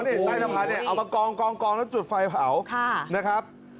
สื่อสารมาจุดไฟเผาในใต้สะพานนี่เอากองแล้วจุดไฟเผานะครับ